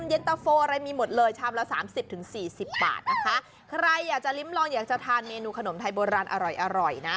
เย็นตะโฟอะไรมีหมดเลยชามละ๓๐๔๐บาทนะคะใครอยากจะลิ้มลองอยากจะทานเมนูขนมไทยบนร้านอร่อยนะ